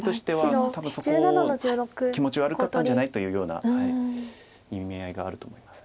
気持ち悪かったんじゃない？というような意味合いがあると思います。